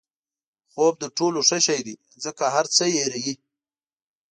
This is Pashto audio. خوب تر ټولو ښه شی دی ځکه هر څه هیروي.